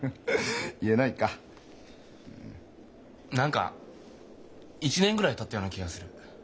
何か１年ぐらいたったような気がする。